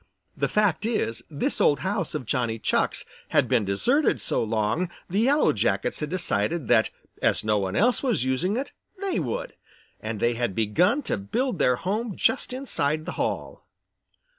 The fact is, this old house of Johnny Chuck's had been deserted so long the Yellow Jackets had decided that as no one else was using it, they would, and they had begun to build their home just inside the hall.